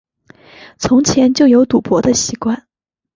从前就有赌博的习惯